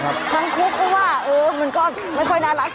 กับผู้ตีนทางคุก